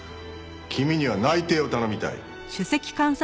君には内偵を頼みたい。